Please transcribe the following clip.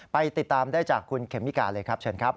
ไปติดตามได้จากคุณเขมิกาเลยครับเชิญครับ